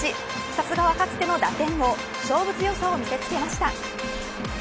さすがはかつての打点王勝負強さを見せ付けました。